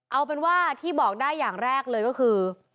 เอาเป็นว่าที่บอกได้อย่างแรกเลยก็คือ